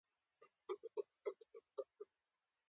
دواړه بسونه د یوه کوچني مارکېټ مخې ته ودرېدل.